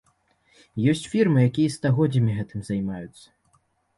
Ёсць фірмы, якія стагоддзямі гэтым займаюцца.